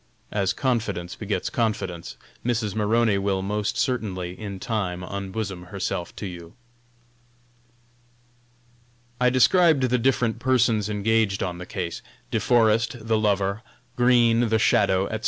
As confidence begets confidence, Mrs. Maroney will, most certainly, in time unbosom herself to you." I described the different persons engaged on the case: De Forest, the lover; Green, the "shadow," etc.